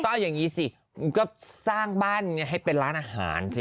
ก็เอาอย่างนี้สิก็สร้างบ้านให้เป็นร้านอาหารสิ